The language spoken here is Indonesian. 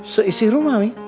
seisi rumah mami